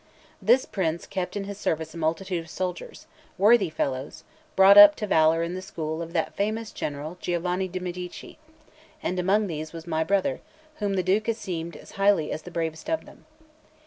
This prince kept in his service a multitude of soldiers, worthy fellows, brought up to valour in the school of that famous general Giovanni de' Medici; and among these was my brother, whom the Duke esteemed as highly as the bravest of them.